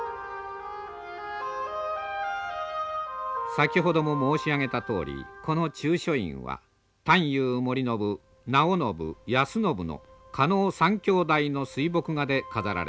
先ほども申し上げたとおりこの中書院は探幽守信尚信安信の狩野３兄弟の水墨画で飾られています。